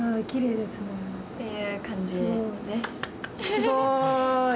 すごい。